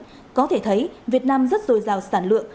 và có thể thấy việt nam rất rồi rào sản lượng